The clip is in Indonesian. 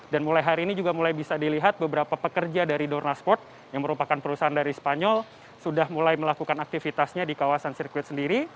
dan mulai hari ini juga mulai bisa dilihat beberapa pekerja dari dornasport yang merupakan perusahaan dari spanyol sudah mulai melakukan aktivitasnya di kawasan sirkuit sendiri